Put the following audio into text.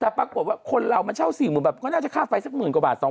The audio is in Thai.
แต่ปรากฏว่าคนเรามันเช่า๔๐๐๐บาทก็น่าจะค่าไฟสักหมื่นกว่าบาท